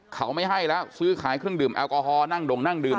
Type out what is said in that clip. เขาไม่ให้แล้วซื้อขายเครื่องดื่มแอลกอฮอลนั่งดงนั่งดื่ม